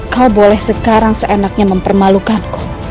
kau boleh sekarang seenaknya mempermalukanku